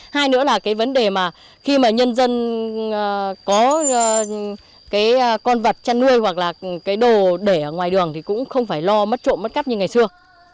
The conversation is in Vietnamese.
hai nữa là cái vấn đề mà khi mà nhân dân có cái con vật chăn nuôi hoặc là cái đồ để ở ngoài đường thì cũng không phải lo mất trộm mất cắp như ngày xưa